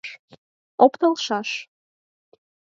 Опталшаш.